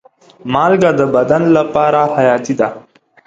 مالګه د بدن لپاره حیاتي ده.